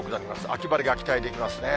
秋晴れが期待できますね。